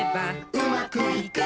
「うまくいく！」